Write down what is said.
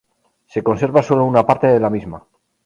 Se conserva sólo una parte de la misma.